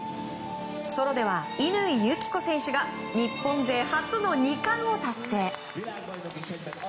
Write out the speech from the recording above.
ソロでは乾友紀子選手が日本勢初の２冠を達成。